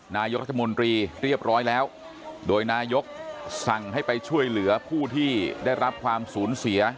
นายกรัฐมนตรีเรียบร้อยแล้วโดยนายกสั่งให้ไปช่วยเหลือผู้ที่ได้รับความสูญเสีย